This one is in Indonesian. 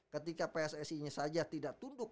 ketika pssi nya saja tidak tunduk